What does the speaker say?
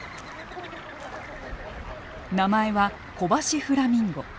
名前はコバシフラミンゴ。